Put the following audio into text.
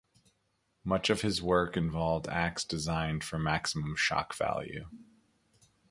Much of his work involved acts designed for maximum shock value.